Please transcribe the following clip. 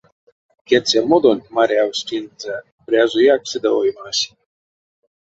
Кецямодонть марявсь тензэ, прязояк седе оймась.